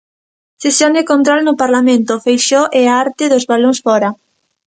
Sesión de control no Parlamento: Feixóo e a arte dos balóns fóra.